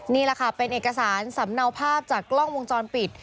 นี่แหละค่ะเป็นเอกสารสำเนาภาพจากกล้องวงจรปิด